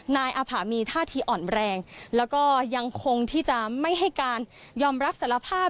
นายอาภามีท่าทีอ่อนแรงแล้วก็ยังคงที่จะไม่ให้การยอมรับสารภาพ